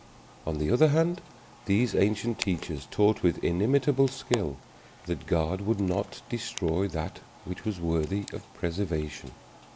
On the other hand, these ancient teachers taught with inimitable skill that God would not destroy that which was worthy of preservation.